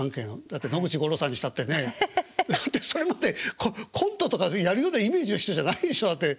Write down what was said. だって野口五郎さんにしたってねだってそれまでコントとかやるようなイメージの人じゃないでしょだって。